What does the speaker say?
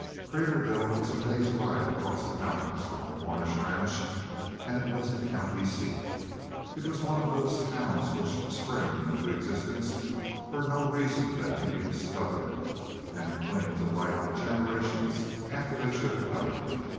Craterville was a day's ride across the mountains from the Cornish ranch, and it was the county seat. It was one of those towns which spring into existence for no reason that can be discovered, and cling to life generations after they should have died.